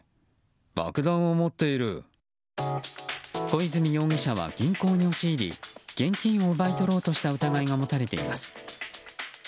小泉容疑者は銀行に押し入り現金を奪い取ろうとした疑いが持たれています。